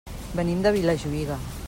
Venim de Vilajuïga.